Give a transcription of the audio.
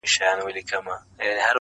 • د یارانو مو یو یو دادی کمېږي..